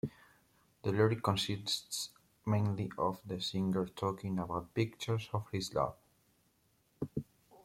The lyric consists mainly of the singer talking about pictures of his love.